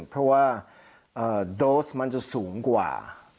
เพราะว่าโดสมันจะสูงกว่า